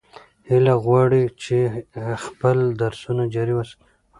هیله غواړي چې خپل درسونه جاري وساتي.